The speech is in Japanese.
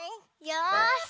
よし。